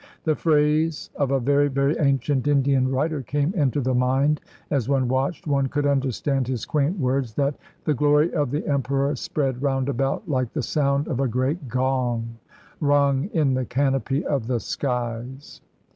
The phrase of a very, very ancient Indian writer came into the mind as one watched. One could understand his quaint words that "the glory of the Emperor spread roundabout, Uke the sound of a great gong rung in the canopy of the skies."